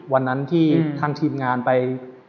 วันนั้นที่ทางทีมงานไป